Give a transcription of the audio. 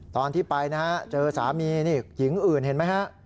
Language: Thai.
ตอนที่ไปเจอสามีหญิงอื่นเห็นไหม